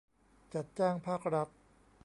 จัดจ้างภาครัฐ